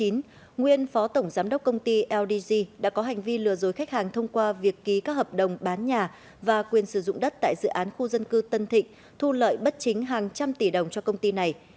nguyên phó tổng giám đốc công ty ldg đã có hành vi lừa dối khách hàng thông qua việc ký các hợp đồng bán nhà và quyền sử dụng đất tại dự án khu dân cư tân thịnh thu lợi bất chính hàng trăm tỷ đồng cho công ty này